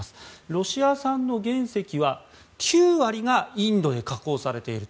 ロシア産の原石は９割がインドで加工されている。